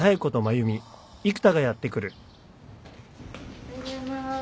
おはようございます。